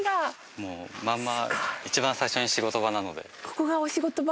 もうまんま一番最初に仕事場なのでここがお仕事場？